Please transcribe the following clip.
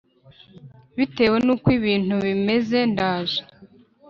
bitewe n uko ibintu bimeze ndaje